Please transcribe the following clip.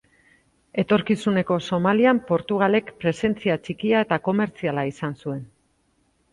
Etorkizuneko Somalian Portugalek presentzia txikia eta komertziala izan zuen.